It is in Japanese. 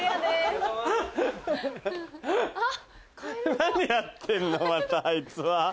何やってんのまたあいつは。